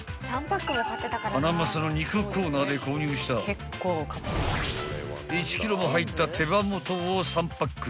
［ハナマサの肉コーナーで購入した１ｋｇも入った手羽元を３パック］